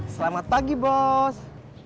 selamat pagi bos